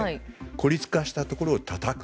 孤立化したところをたたく。